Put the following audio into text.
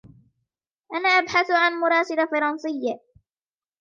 أنا أبحث عن مراسلة فرنسية.